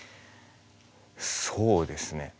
そうですね。